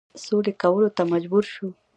سولي کولو ته مجبور شو.